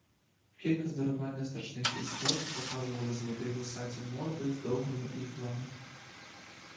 Кілька здоровенних страшних істот показували з води вусаті морди з довгими іклами.